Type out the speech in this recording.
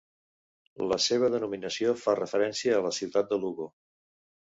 La seva denominació fa referència a la ciutat de Lugo.